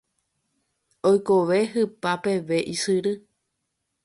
Oikove hypa peve ysyry.